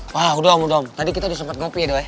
wah udah om tadi kita ada sempat gopi do